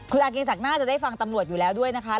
คุณอากิศักดิ์น่าจะได้ฟังตำรวจอยู่แล้วด้วยนะคะ